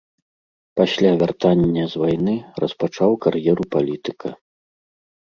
Пасля вяртання з вайны распачаў кар'еру палітыка.